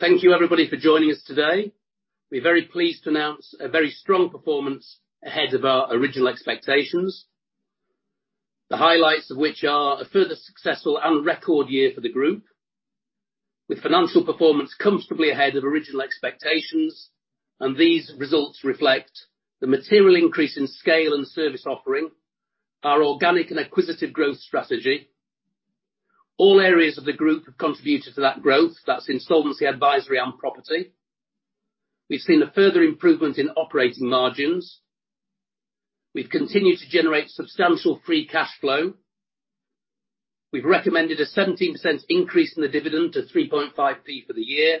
Thank you everybody for joining us today. We're very pleased to announce a very strong performance ahead of our original expectations, the highlights of which are a further successful and record year for the group, with financial performance comfortably ahead of original expectations, and these results reflect the material increase in scale and service offering, our organic and acquisitive growth strategy. All areas of the group have contributed to that growth. That's insolvency, advisory, and property. We've seen a further improvement in operating margins. We've continued to generate substantial free cash flow. We've recommended a 17% increase in the dividend to For the year,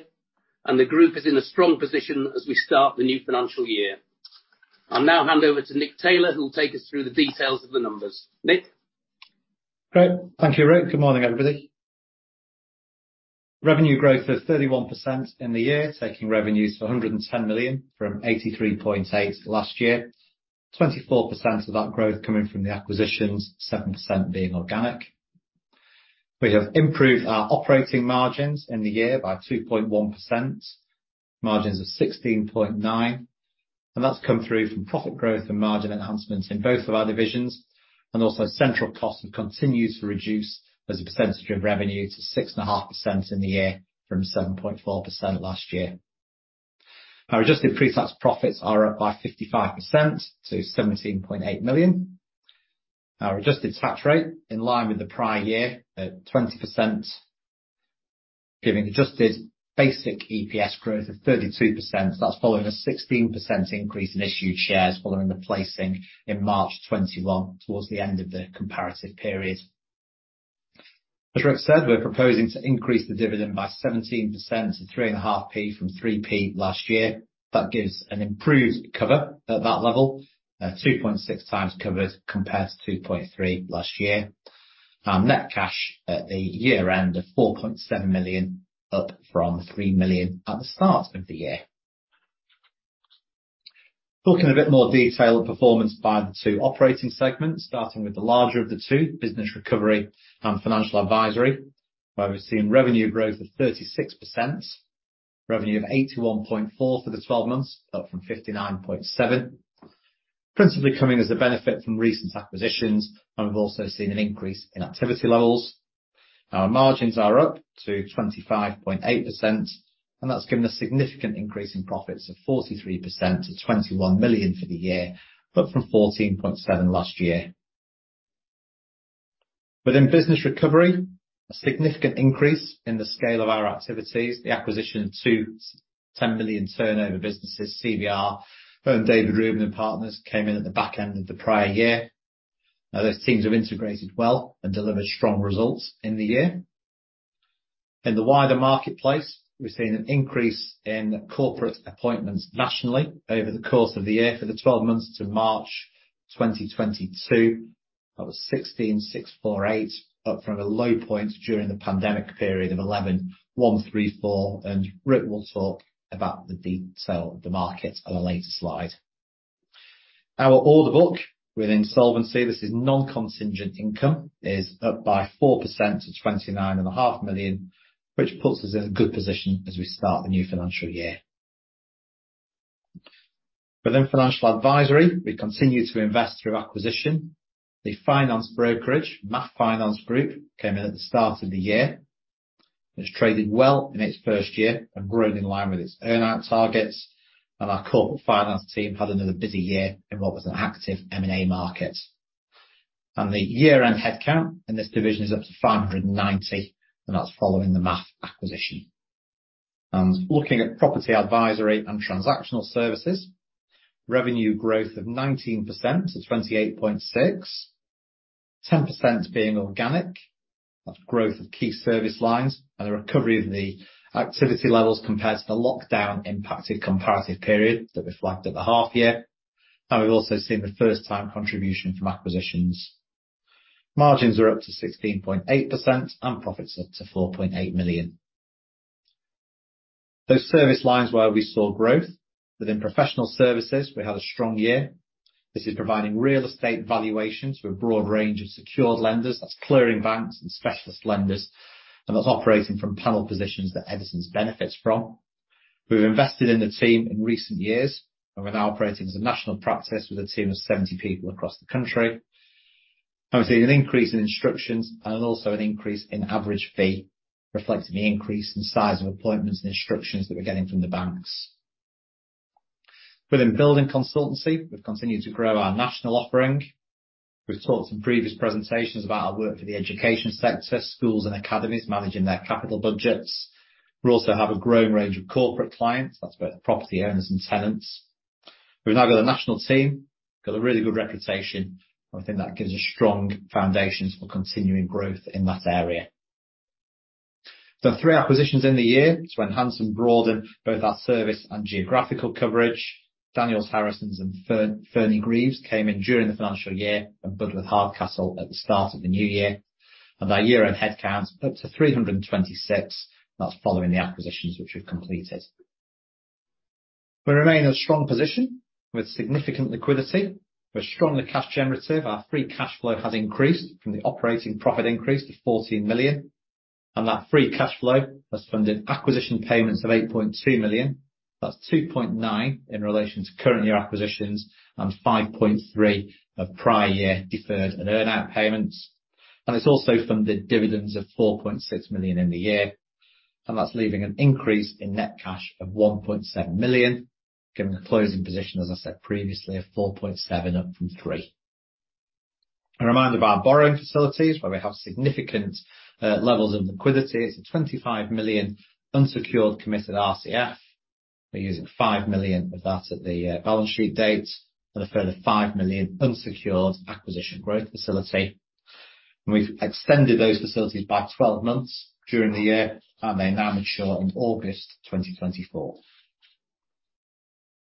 and the group is in a strong position as we start the new financial year. I'll now hand over to Nick Taylor, who will take us through the details of the numbers. Nick? Great. Thank you, Ric. Good morning, everybody. Revenue growth of 31% in the year, taking revenues to 110 million from 83.8 million last year. 24% of that growth coming from the acquisitions, 7% being organic. We have improved our operating margins in the year by 2.1%. Margins of 16.9, and that's come through from profit growth and margin enhancements in both of our divisions. Also central costs have continued to reduce as a percentage of revenue to 6.5% in the year from 7.4% last year. Our adjusted pre-tax profits are up by 55% to 17.8 million. Our adjusted tax rate in line with the prior year at 20%, giving adjusted basic EPS growth of 32%. That's following a 16% increase in issued shares following the placing in March 2021 towards the end of the comparative period. As Ric said, we're proposing to increase the dividend by 17% to 0.035 from 0.030 last year. That gives an improved cover at that level, 2.6 times covered compared to 2.3 last year. Our net cash at the year-end of 4.7 million, up from 3 million at the start of the year. Looking in a bit more detail at performance by the two operating segments, starting with the larger of the two, Business Recovery and Financial Advisory, where we've seen revenue growth of 36%, revenue of 81.4 million for the 12 months, up from 59.7 million. Principally coming as a benefit from recent acquisitions, and we've also seen an increase in activity levels. Our margins are up to 25.8%, and that's given a significant increase in profits of 43% to 21 million for the year, up from 14.7 million last year. Within Business Recovery, a significant increase in the scale of our activities, the acquisition of two 10 million turnover businesses, CVR firm David Rubin & Partners came in at the back end of the prior year. Now those teams have integrated well and delivered strong results in the year. In the wider marketplace, we've seen an increase in corporate appointments nationally over the course of the year for the 12 months to March 2022. That was 16,648, up from a low point during the pandemic period of 11,134. Ric will talk about the detail of the market on a later slide. Our order book within Solvency, this is non-contingent income, is up by 4% to 29.5 million, which puts us in a good position as we start the new financial year. Within Financial Advisory, we continue to invest through acquisition. The finance brokerage, MAF Finance Group, came in at the start of the year. It's traded well in its first year and grown in line with its earn-out targets. Our corporate finance team had another busy year in what was an active M&A market. The year-end headcount in this division is up to 590, and that's following the MAF acquisition. Looking at Property Advisory and Transactional Services, revenue growth of 19% to 28.6 million. 10% being organic. That's growth of key service lines and the recovery of the activity levels compared to the lockdown impacted comparative period that we flagged at the half year. We've also seen the first time contribution from acquisitions. Margins are up to 16.8% and profits up to 4.8 million. Those service lines where we saw growth, within professional services, we had a strong year. This is providing real estate valuations for a broad range of secured lenders, that's clearing banks and specialist lenders, and that's operating from panel positions that Eddisons benefits from. We've invested in the team in recent years, and we're now operating as a national practice with a team of 70 people across the country. We've seen an increase in instructions and also an increase in average fee, reflecting the increase in size of appointments and instructions that we're getting from the banks. Within Building Consultancy, we've continued to grow our national offering. We've talked in previous presentations about our work for the education sector, schools and academies, managing their capital budgets. We also have a growing range of corporate clients. That's both property owners and tenants. We've now got a national team, got a really good reputation, and I think that gives us strong foundations for continuing growth in that area. Three acquisitions in the year to enhance and broaden both our service and geographical coverage. Daniells Harrison and Fernie Greaves came in during the financial year, and Budworth Hardcastle at the start of the new year. Our year-end headcount up to 326. That's following the acquisitions which we've completed. We remain in a strong position with significant liquidity. We're strongly cash generative. Our free cash flow has increased from the operating profit increase to 14 million, and that free cash flow has funded acquisition payments of 8.2 million. That's 2.9 million in relation to current year acquisitions and 5.3 million of prior year deferred and earn-out payments. It's also funded dividends of 4.6 million in the year, and that's leaving an increase in net cash of 1.7 million, giving a closing position, as I said previously, of 4.7 million, up from 3 million. A reminder of our borrowing facilities, where we have significant levels of liquidity. It's a 25 million unsecured committed RCF. We're using 5 million of that at the balance sheet date and a further 5 million unsecured acquisition growth facility, and we've extended those facilities by 12 months during the year, and they now mature in August 2024.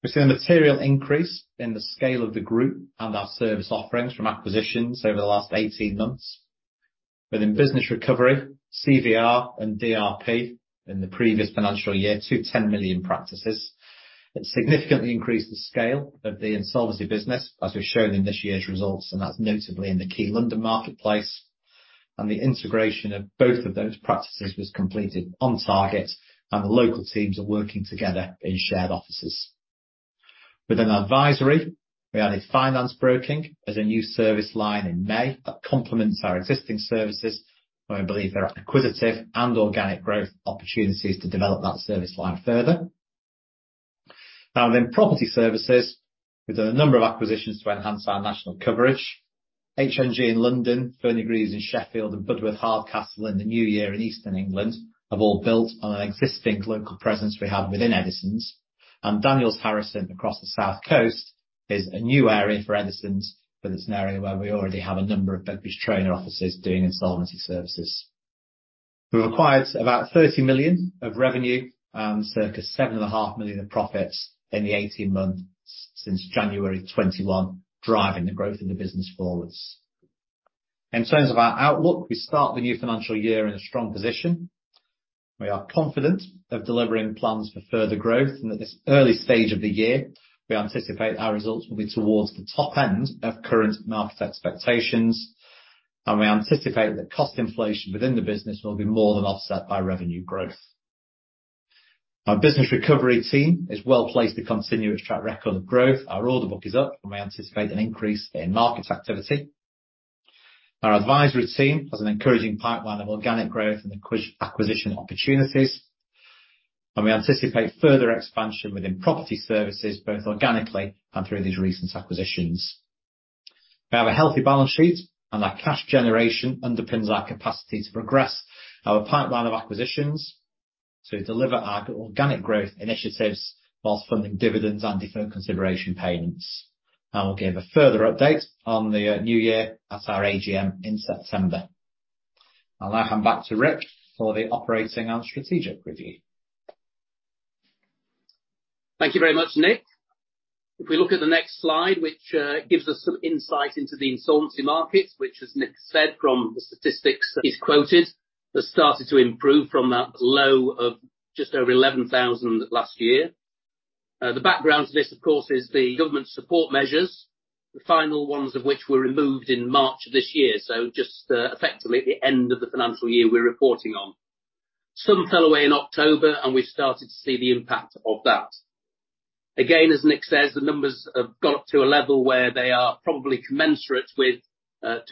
We've seen a material increase in the scale of the group and our service offerings from acquisitions over the last 18 months. Within Business Recovery, CVR and DRP in the previous financial year, two 10 million practices. It significantly increased the scale of the insolvency business as we've shown in this year's results, and that's notably in the key London marketplace, and the integration of both of those practices was completed on target, and the local teams are working together in shared offices. Within Advisory, we added finance broking as a new service line in May. That complements our existing services, where we believe there are acquisitive and organic growth opportunities to develop that service line further. Now then, Property Services, we've done a number of acquisitions to enhance our national coverage. HNG in London, Fernie Greaves in Sheffield, and Budworth Hardcastle in the new year in eastern England have all built on an existing local presence we have within Eddisons. Daniells Harrison across the south coast is a new area for Eddisons, but it's an area where we already have a number of Begbies Traynor offices doing insolvency services. We've acquired about 30 million of revenue and circa 7.5 million of profits in the 18 months since January 2021, driving the growth in the business forward. In terms of our outlook, we start the new financial year in a strong position. We are confident of delivering plans for further growth, and at this early stage of the year, we anticipate our results will be towards the top end of current market expectations. We anticipate that cost inflation within the business will be more than offset by revenue growth. Our Business Recovery team is well placed to continue its track record of growth. Our order book is up, and we anticipate an increase in market activity. Our Advisory team has an encouraging pipeline of organic growth and acquisition opportunities, and we anticipate further expansion within Property Services, both organically and through these recent acquisitions. We have a healthy balance sheet, and our cash generation underpins our capacity to progress our pipeline of acquisitions to deliver our organic growth initiatives while funding dividends and deferred consideration payments. I will give a further update on the new year at our AGM in September. I'll now hand back to Ric for the operating and strategic review. Thank you very much, Nick. If we look at the next slide, which gives us some insight into the insolvency markets, which as Nick said, from the statistics he's quoted, has started to improve from that low of just over 11,000 last year. The background to this, of course, is the government support measures, the final ones of which were removed in March of this year, so just effectively at the end of the financial year we're reporting on. Some fell away in October, and we've started to see the impact of that. Again, as Nick says, the numbers have gone up to a level where they are probably commensurate with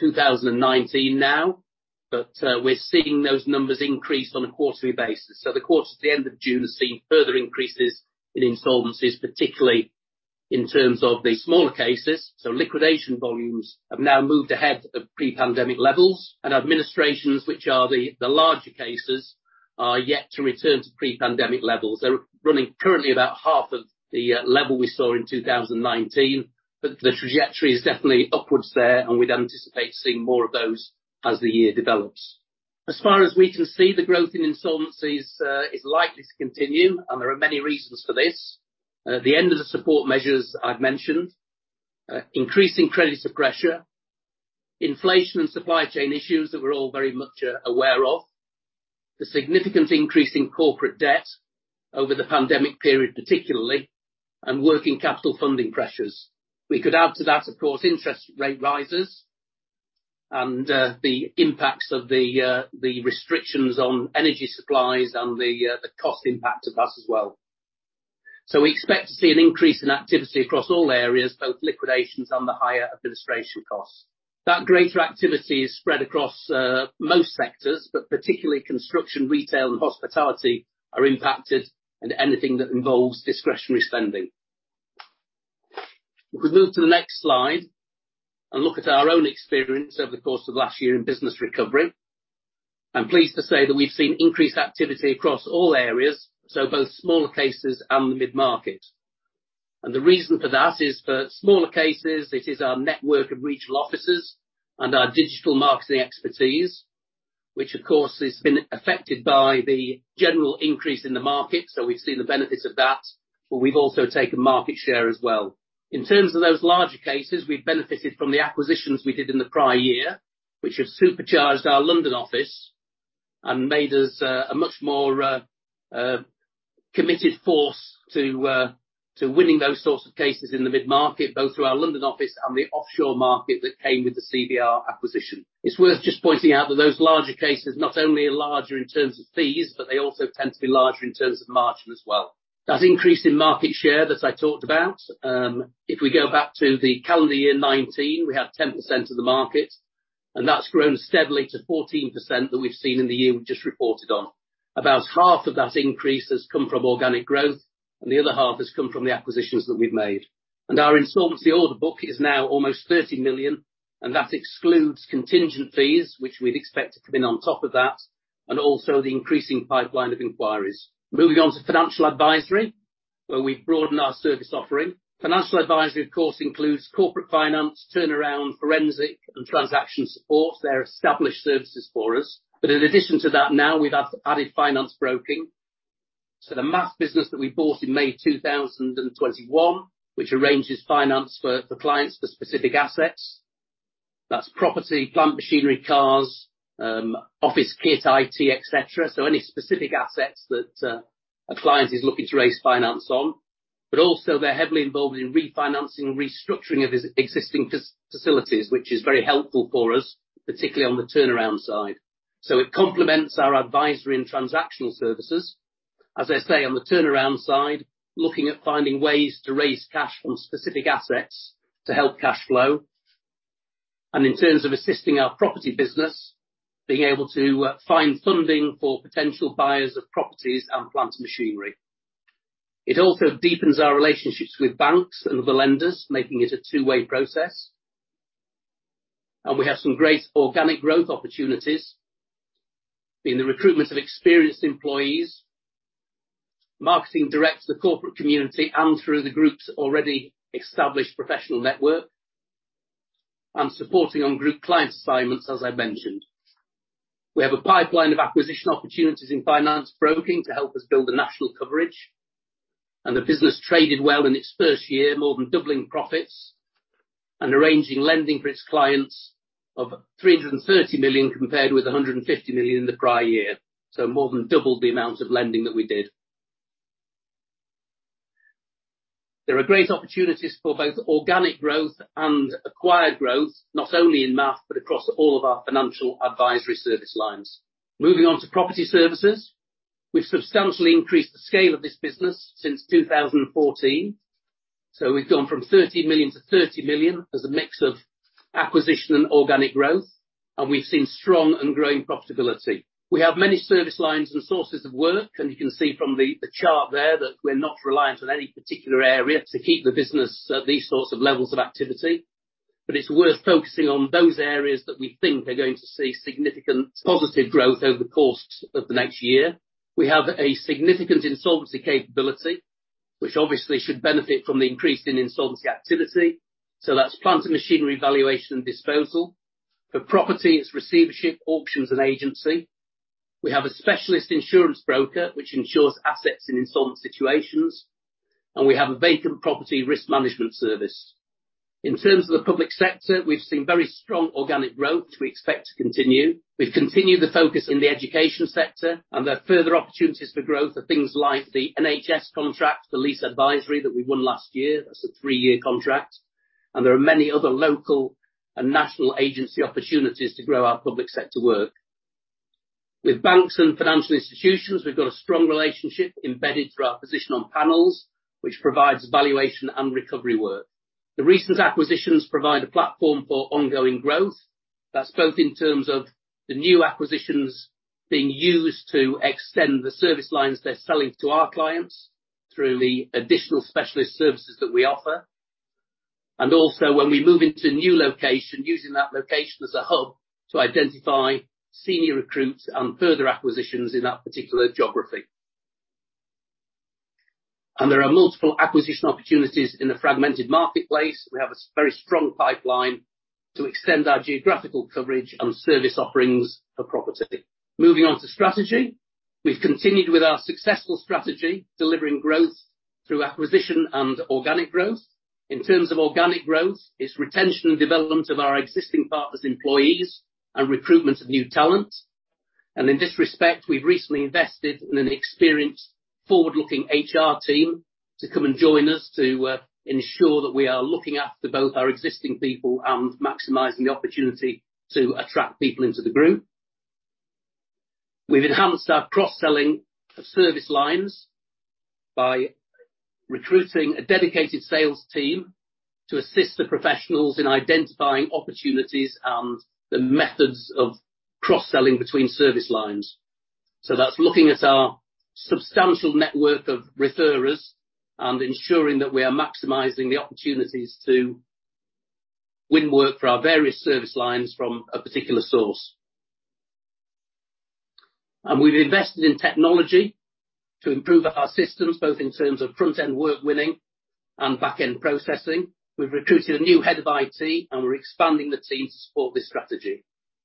2019 now, but we're seeing those numbers increase on a quarterly basis. The quarter to the end of June has seen further increases in insolvencies, particularly in terms of the smaller cases. Liquidation volumes have now moved ahead of pre-pandemic levels, and administrations, which are the larger cases, are yet to return to pre-pandemic levels. They're running currently about half of the level we saw in 2019, but the trajectory is definitely upwards there, and we'd anticipate seeing more of those as the year develops. As far as we can see, the growth in insolvencies is likely to continue, and there are many reasons for this. The end of the support measures I've mentioned, increasing credit pressures, inflation and supply chain issues that we're all very much aware of, the significant increase in corporate debt over the pandemic period particularly, and working capital funding pressures. We could add to that, of course, interest rate rises and the impacts of the restrictions on energy supplies and the cost impact of that as well. We expect to see an increase in activity across all areas, both liquidations and the higher administration costs. That greater activity is spread across most sectors, but particularly construction, retail, and hospitality are impacted and anything that involves discretionary spending. If we move to the next slide and look at our own experience over the course of last year in business recovery, I'm pleased to say that we've seen increased activity across all areas, so both smaller cases and the mid-market. The reason for that is for smaller cases, it is our network of regional offices and our digital marketing expertise, which of course has been affected by the general increase in the market. We've seen the benefits of that, but we've also taken market share as well. In terms of those larger cases, we've benefited from the acquisitions we did in the prior year, which have supercharged our London office and made us a much more committed force to winning those sorts of cases in the mid-market, both through our London office and the offshore market that came with the CVR acquisition. It's worth just pointing out that those larger cases, not only are larger in terms of fees, but they also tend to be larger in terms of margin as well. That increase in market share that I talked about, if we go back to the calendar year 2019, we had 10% of the market, and that's grown steadily to 14% that we've seen in the year we've just reported on. About half of that increase has come from organic growth, and the other half has come from the acquisitions that we've made. Our insolvency order book is now almost 30 million, and that excludes contingent fees, which we'd expect to come in on top of that, and also the increasing pipeline of inquiries. Moving on to Financial Advisory, where we've broadened our service offering. Financial Advisory, of course, includes corporate finance, turnaround, forensic, and transaction support. They're established services for us. In addition to that, now we've added finance broking. So the MAF business that we bought in May 2021, which arranges finance for clients for specific assets. That's property, plant machinery, cars, office kit, IT, et cetera. So any specific assets that a client is looking to raise finance on. Also they're heavily involved in refinancing and restructuring of existing facilities, which is very helpful for us, particularly on the turnaround side. It complements our advisory and transactional services. As I say, on the turnaround side, looking at finding ways to raise cash from specific assets to help cash flow. In terms of assisting our property business, being able to find funding for potential buyers of properties and plant machinery. It also deepens our relationships with banks and other lenders, making it a two-way process. We have some great organic growth opportunities in the recruitment of experienced employees, marketing direct to the corporate community and through the group's already established professional network, and supporting on group client assignments, as I mentioned. We have a pipeline of acquisition opportunities in finance broking to help us build a national coverage. The business traded well in its first year, more than doubling profits and arranging lending for its clients of 330 million compared with 150 million in the prior year. More than doubled the amount of lending that we did. There are great opportunities for both organic growth and acquired growth, not only in MAF but across all of our Financial Advisory service lines. Moving on to property services. We've substantially increased the scale of this business since 2014. We've gone from 13 million to 30 million as a mix of acquisition and organic growth, and we've seen strong and growing profitability. We have many service lines and sources of work, and you can see from the chart there that we're not reliant on any particular area to keep the business at these sorts of levels of activity. It's worth focusing on those areas that we think are going to see significant positive growth over the course of the next year. We have a significant insolvency capability, which obviously should benefit from the increase in insolvency activity, so that's plant and machinery valuation and disposal. For property, it's receivership, auctions, and agency. We have a specialist insurance broker, which insures assets in insolvent situations. We have a vacant property risk management service. In terms of the public sector, we've seen very strong organic growth, which we expect to continue. We've continued the focus in the education sector, and there are further opportunities for growth for things like the NHS contract, the lease advisory that we won last year. That's a three-year contract, and there are many other local and national agency opportunities to grow our public sector work. With banks and financial institutions, we've got a strong relationship embedded through our position on panels, which provides valuation and recovery work. The recent acquisitions provide a platform for ongoing growth. That's both in terms of the new acquisitions being used to extend the service lines they're selling to our clients through the additional specialist services that we offer. Also when we move into a new location, using that location as a hub to identify senior recruits and further acquisitions in that particular geography. There are multiple acquisition opportunities in the fragmented marketplace. We have a very strong pipeline to extend our geographical coverage and service offerings for property. Moving on to strategy. We've continued with our successful strategy, delivering growth through acquisition and organic growth. In terms of organic growth, it's retention and development of our existing partners' employees and recruitment of new talent. In this respect, we've recently invested in an experienced forward-looking HR team to come and join us to ensure that we are looking after both our existing people and maximizing the opportunity to attract people into the group. We've enhanced our cross-selling of service lines by recruiting a dedicated sales team to assist the professionals in identifying opportunities and the methods of cross-selling between service lines. That's looking at our substantial network of referrers and ensuring that we are maximizing the opportunities to win work for our various service lines from a particular source. We've invested in technology to improve our systems, both in terms of front-end work winning and back-end processing. We've recruited a new head of IT, and we're expanding the team to support this strategy.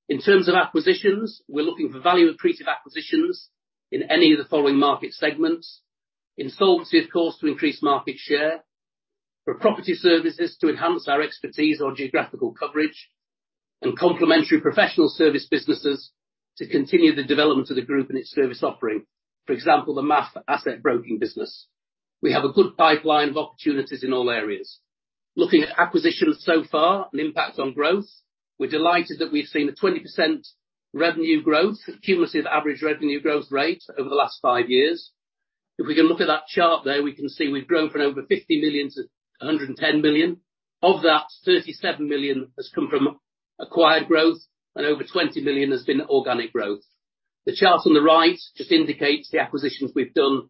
In terms of acquisitions, we're looking for value-accretive acquisitions in any of the following market segments. Insolvency, of course, to increase market share. For property services to enhance our expertise on geographical coverage and complementary professional service businesses to continue the development of the group and its service offering. For example, the MAF asset broking business. We have a good pipeline of opportunities in all areas. Looking at acquisitions so far and impact on growth, we're delighted that we've seen a 20% revenue growth, cumulative average revenue growth rate over the last five years. If we can look at that chart there, we can see we've grown from over 50 million to 110 million. Of that, 37 million has come from acquired growth and over 20 million has been organic growth. The chart on the right just indicates the acquisitions we've done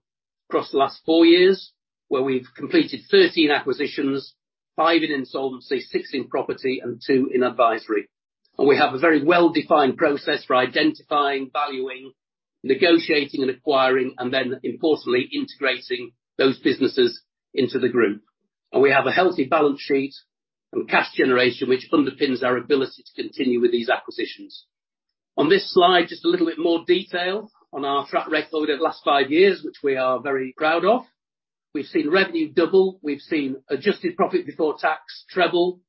across the last four years, where we've completed 13 acquisitions, five in insolvency, six in property, and two in advisory. We have a very well-defined process for identifying, valuing, negotiating, and acquiring, and then importantly integrating those businesses into the group. We have a healthy balance sheet and cash generation, which underpins our ability to continue with these acquisitions. On this slide, just a little bit more detail on our track record over the last five years, which we are very proud of. We've seen revenue double, we've seen adjusted profit before tax treble,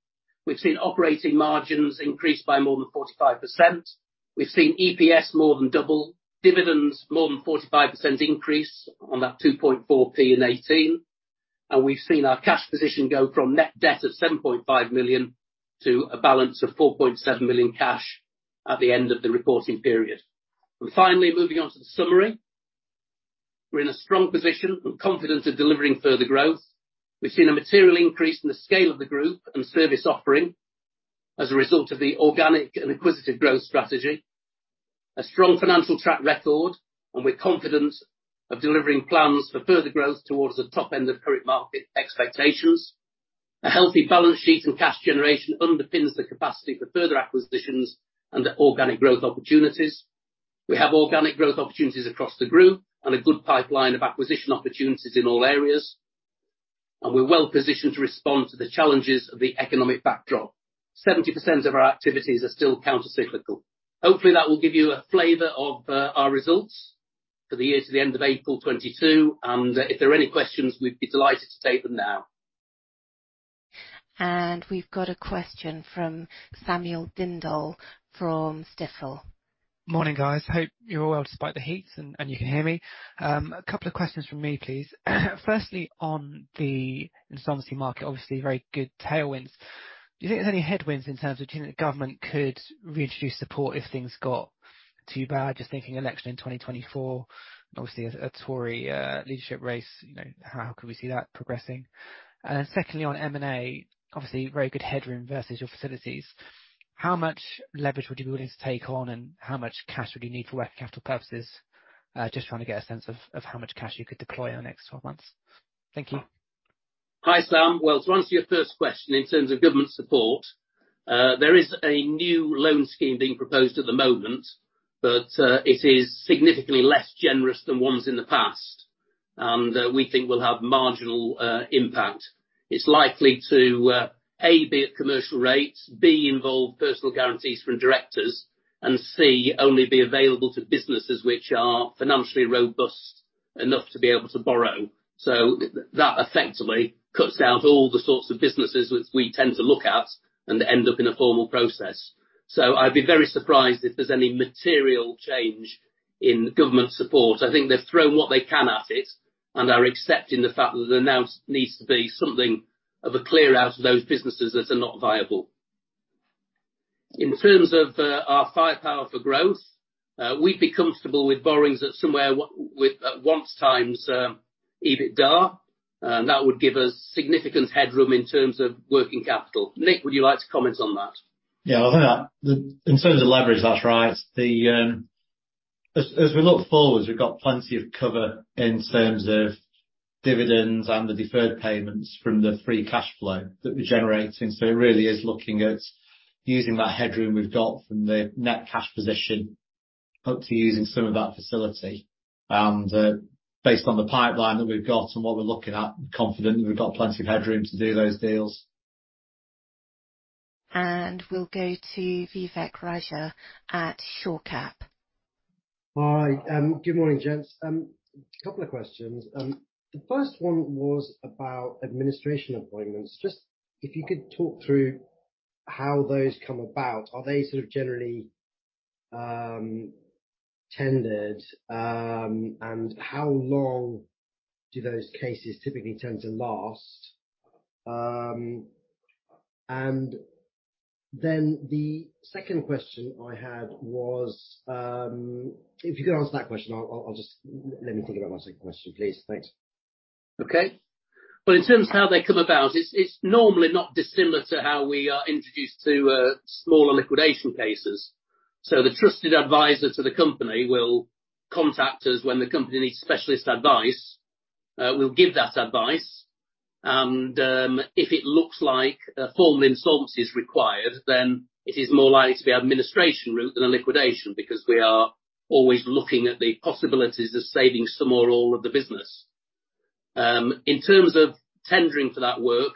we've seen operating margins increased by more than 45%. We've seen EPS more than double, dividends more than 45% increase on that 0.024 in 2018, and we've seen our cash position go from net debt of 7.5 million to a balance of 4.7 million cash at the end of the reporting period. Finally, moving on to the summary. We're in a strong position and confident of delivering further growth. We've seen a material increase in the scale of the group and service offering as a result of the organic and acquisitive growth strategy. A strong financial track record, and we're confident of delivering plans for further growth towards the top end of current market expectations. A healthy balance sheet and cash generation underpins the capacity for further acquisitions and organic growth opportunities. We have organic growth opportunities across the group and a good pipeline of acquisition opportunities in all areas, and we're well-positioned to respond to the challenges of the economic backdrop. 70% of our activities are still counter-cyclical. Hopefully, that will give you a flavor of our results for the year to the end of April 2022, and if there are any questions, we'd be delighted to take them now. We've got a question from Samuel Dindol from Stifel. Morning, guys. Hope you're well despite the heat and you can hear me. A couple of questions from me, please. Firstly, on the insolvency market, obviously very good tailwinds. Do you think there's any headwinds in terms of do you think the government could reintroduce support if things got too bad? Just thinking election in 2024. Obviously a Tory leadership race, you know, how could we see that progressing? Secondly, on M&A, obviously very good headroom versus your facilities. How much leverage would you be willing to take on, and how much cash would you need for working capital purposes? Just trying to get a sense of how much cash you could deploy in the next 12 months. Thank you. Hi, Sam. Well, to answer your first question in terms of government support, there is a new loan scheme being proposed at the moment, but it is significantly less generous than ones in the past, and we think will have marginal impact. It's likely to A, be at commercial rates, B, involve personal guarantees from directors, and C, only be available to businesses which are financially robust enough to be able to borrow. That effectively cuts out all the sorts of businesses which we tend to look at and end up in a formal process. I'd be very surprised if there's any material change in government support. I think they've thrown what they can at it and are accepting the fact that there now needs to be something of a clear out of those businesses that are not viable. In terms of our firepower for growth, we'd be comfortable with borrowings at somewhere with at 1x EBITDA, and that would give us significant headroom in terms of working capital. Nick, would you like to comment on that? Yeah, well, in terms of leverage, that's right. As we look forward, we've got plenty of cover in terms of dividends and the deferred payments from the free cash flow that we're generating, so it really is looking at using that headroom we've got from the net cash position up to using some of that facility. Based on the pipeline that we've got and what we're looking at, we're confident that we've got plenty of headroom to do those deals. We'll go to Vivek Raja at Shore Cap. Hi. Good morning, gents. A couple of questions. The first one was about administration appointments. Just if you could talk through how those come about. Are they sort of generally tendered? And how long do those cases typically tend to last? And then the second question I had was. If you could answer that question, I'll just let me think about my second question, please. Thanks. Okay. Well, in terms of how they come about, it's normally not dissimilar to how we are introduced to smaller liquidation cases. The trusted advisor to the company will contact us when the company needs specialist advice. We'll give that advice, and if it looks like a formal insolvency is required, then it is more likely to be an administration route than a liquidation because we are always looking at the possibilities of saving some or all of the business. In terms of tendering for that work,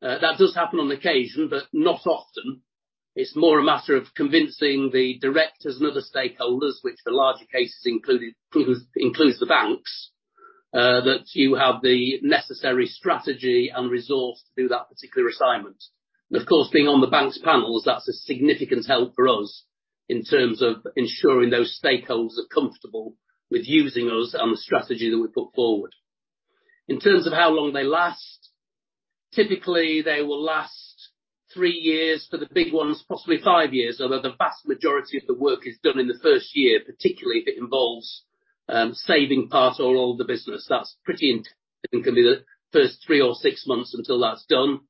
that does happen on occasion, but not often. It's more a matter of convincing the directors and other stakeholders, which the larger cases includes the banks, that you have the necessary strategy and resource to do that particular assignment. Of course, being on the banks panels, that's a significant help for us in terms of ensuring those stakeholders are comfortable with using us and the strategy that we put forward. In terms of how long they last, typically, they will last three years for the big ones, possibly five years, although the vast majority of the work is done in the first year, particularly if it involves saving part or all of the business. That's pretty intense and can be the first three or six months until that's done.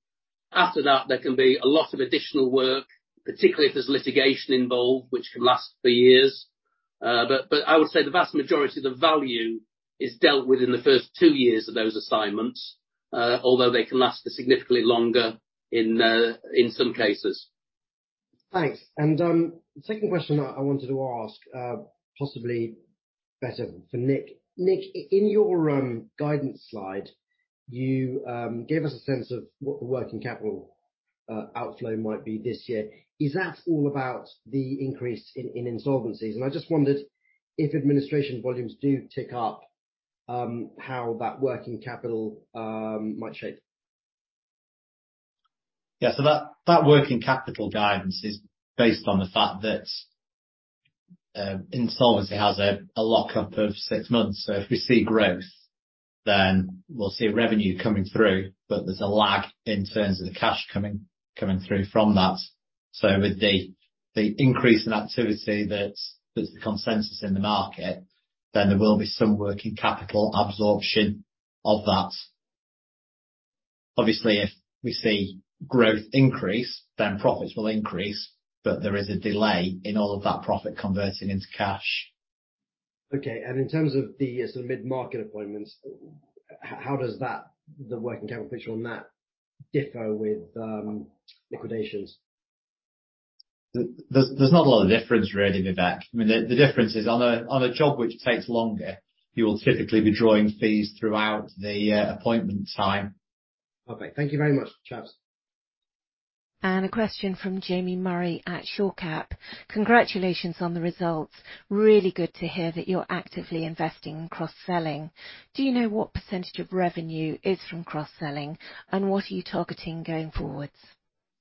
After that, there can be a lot of additional work, particularly if there's litigation involved, which can last for years. But I would say the vast majority of the value is dealt within the first two years of those assignments, although they can last significantly longer in some cases. Thanks. The second question I wanted to ask, possibly better for Nick. Nick, in your guidance slide, you gave us a sense of what the working capital outflow might be this year. Is that all about the increase in insolvencies? I just wondered if administration volumes do tick up, how that working capital might shape? Yeah. That working capital guidance is based on the fact that insolvency has a lock-up of six months. If we see growth, then we'll see revenue coming through, but there's a lag in terms of the cash coming through from that. With the increase in activity that's the consensus in the market, then there will be some working capital absorption of that. Obviously, if we see growth increase, then profits will increase, but there is a delay in all of that profit converting into cash. Okay. In terms of the sort of mid-market appointments, how does that, the working capital picture on that differ with liquidations? There's not a lot of difference really, Vivek. I mean, the difference is on a job which takes longer, you will typically be drawing fees throughout the appointment time. Okay. Thank you very much, chaps. A question from Jamie Murray at Shore Capital. Congratulations on the results. Really good to hear that you're actively investing in cross-selling. Do you know what percentage of revenue is from cross-selling, and what are you targeting going forward?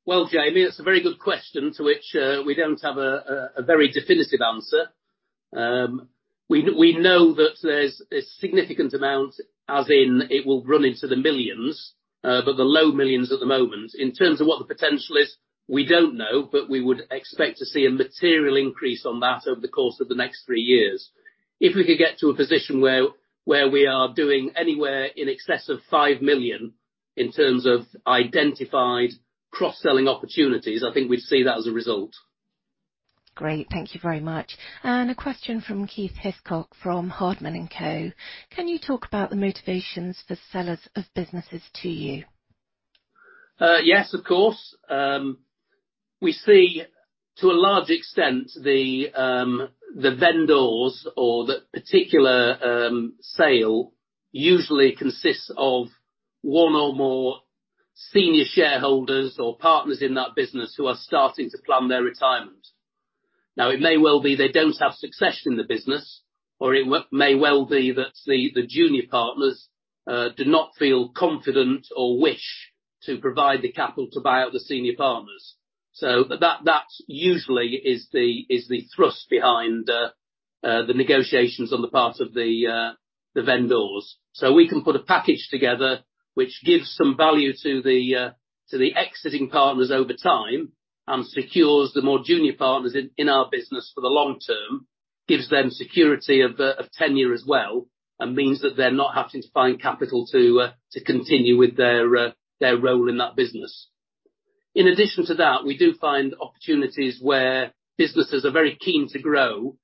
Well, Jamie, that's a very good question, to which we don't have a very definitive answer. We know that there's a significant amount, as in it will run into the millions, but the low millions at the moment. In terms of what the potential is, we don't know, but we would expect to see a material increase on that over the course of the next three years. If we could get to a position where we are doing anywhere in excess of GBP 5 million in terms of identified cross-selling opportunities, I think we'd see that as a result. Great. Thank you very much. A question from Keith Hiscock from Hardman & Co. Can you talk about the motivations for sellers of businesses to you? Yes, of course. We see to a large extent the vendors or the particular sale usually consists of one or more senior shareholders or partners in that business who are starting to plan their retirement. Now, it may well be they don't have success in the business, or it may well be that the junior partners do not feel confident or wish to provide the capital to buy out the senior partners. That usually is the thrust behind the negotiations on the part of the vendors. We can put a package together which gives some value to the exiting partners over time and secures the more junior partners in our business for the long term, gives them security of tenure as well, and means that they're not having to find capital to continue with their role in that business. In addition to that, we do find opportunities where businesses are very keen to grow.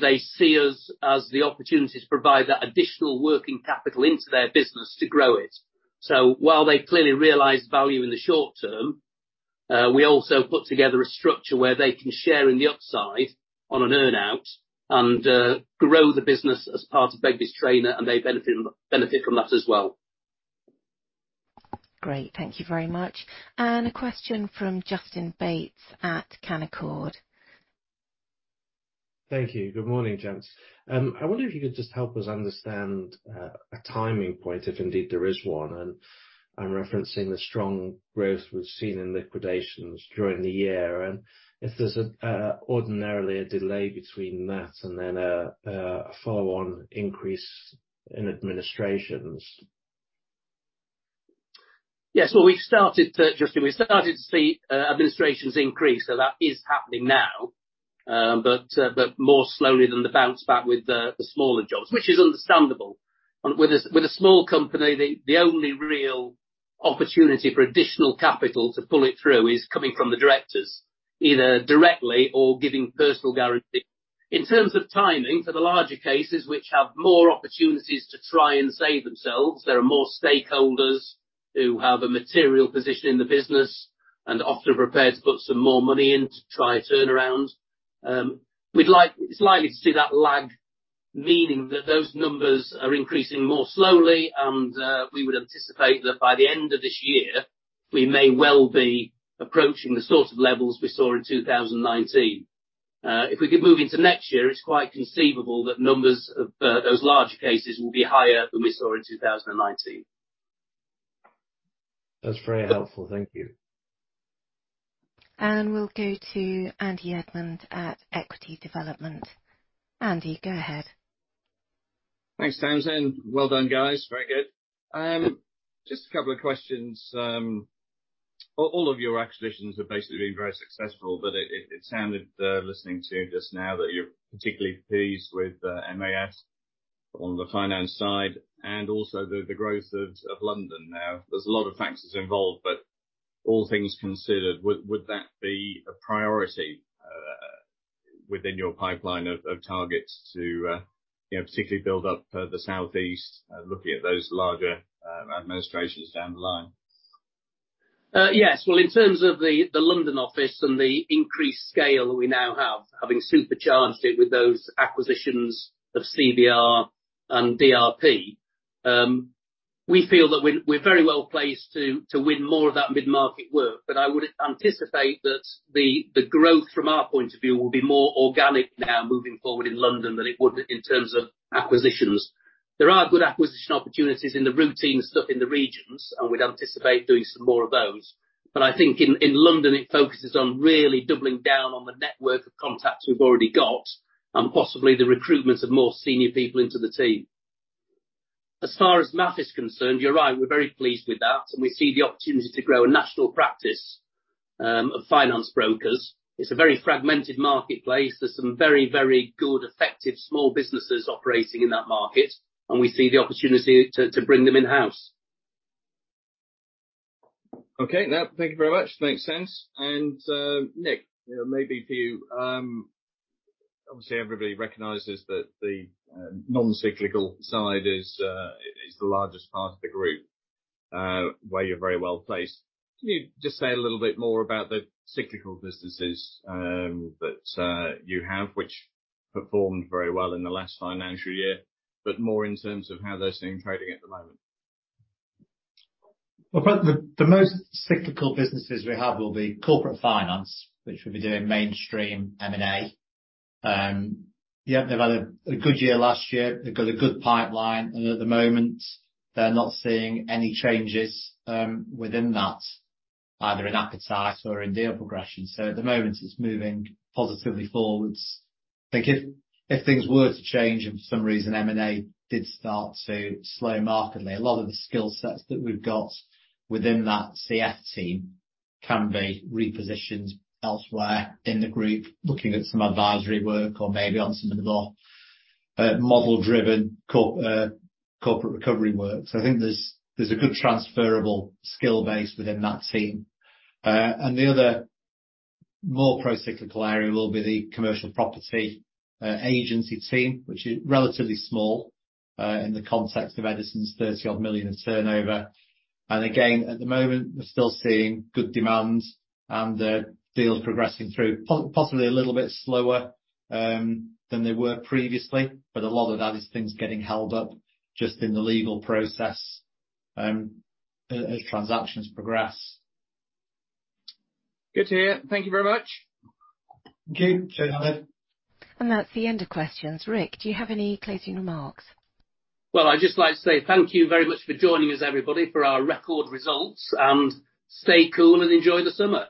They see us as the opportunity to provide that additional working capital into their business to grow it. While they clearly realize value in the short term, we also put together a structure where they can share in the upside on an earn-out and grow the business as part of Begbies Traynor, and they benefit from that as well. Great. Thank you very much. A question from Justin Bates at Canaccord. Thank you. Good morning, gents. I wonder if you could just help us understand a timing point, if indeed there is one. I'm referencing the strong growth we've seen in liquidations during the year, and if there's ordinarily a delay between that and then a follow-on increase in administrations. Yes. Well, Justin, we've started to see administrations increase, so that is happening now. More slowly than the bounce back with the smaller jobs, which is understandable. With a small company, the only real opportunity for additional capital to pull it through is coming from the directors, either directly or giving personal guarantee. In terms of timing, for the larger cases which have more opportunities to try and save themselves, there are more stakeholders who have a material position in the business and often are prepared to put some more money in to try a turnaround. It's likely to see that lag, meaning that those numbers are increasing more slowly, and we would anticipate that by the end of this year, we may well be approaching the sort of levels we saw in 2019. If we could move into next year, it's quite conceivable that numbers of those larger cases will be higher than we saw in 2019. That's very helpful. Thank you. We'll go to Andy Edmond at Equity Development. Andy, go ahead. Thanks, guys. Well done, guys. Very good. Just a couple of questions. All of your acquisitions have basically been very successful, but it sounded, listening to you just now that you're particularly pleased with MAF on the finance side and also the growth of London now. There's a lot of factors involved, but all things considered, would that be a priority within your pipeline of targets to you know, particularly build up the Southeast looking at those larger administrations down the line? Yes. Well, in terms of the London office and the increased scale that we now have, having supercharged it with those acquisitions of CVR and DRP, we feel that we're very well placed to win more of that mid-market work, but I would anticipate that the growth from our point of view will be more organic now moving forward in London than it would in terms of acquisitions. There are good acquisition opportunities in the routine stuff in the regions, and we'd anticipate doing some more of those. I think in London, it focuses on really doubling down on the network of contacts we've already got and possibly the recruitment of more senior people into the team. As far as MAF is concerned, you're right. We're very pleased with that, and we see the opportunity to grow a national practice of finance brokers. It's a very fragmented marketplace. There's some very, very good effective small businesses operating in that market, and we see the opportunity to bring them in-house. Okay. No. Thank you very much. Makes sense. Nick, you know, maybe for you, obviously everybody recognizes that the non-cyclical side is the largest part of the group, where you're very well-placed. Can you just say a little bit more about the cyclical businesses that you have, which performed very well in the last financial year, but more in terms of how they're seeing trading at the moment? Well, the most cyclical businesses we have will be corporate finance, which will be doing mainstream M&A. Yeah, they've had a good year last year. They've got a good pipeline, and at the moment, they're not seeing any changes within that, either in appetite or in deal progression. At the moment it's moving positively forwards. I think if things were to change and for some reason M&A did start to slow markedly, a lot of the skill sets that we've got within that CF team can be repositioned elsewhere in the group, looking at some advisory work or maybe on some of the more model-driven corporate recovery work. I think there's a good transferable skill base within that team. The other more pro-cyclical area will be the commercial property agency team, which is relatively small in the context of Eddisons 30-odd million in turnover. Again, at the moment, we're still seeing good demand and deals progressing through possibly a little bit slower than they were previously, but a lot of that is things getting held up just in the legal process as transactions progress. Good to hear. Thank you very much. That's the end of questions. Ric, do you have any closing remarks? Well, I'd just like to say thank you very much for joining us, everybody, for our record results, and stay cool and enjoy the summer.